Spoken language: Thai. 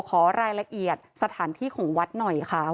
ขอรายละเอียดสถานที่ของวัดหน่อยค่ะ